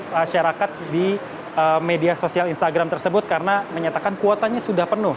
masyarakat di media sosial instagram tersebut karena menyatakan kuotanya sudah penuh